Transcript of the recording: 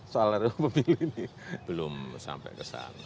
soalnya pemilih ini belum sampai ke sana